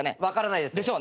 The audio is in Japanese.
分からないです。